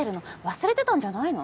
忘れてたんじゃないの？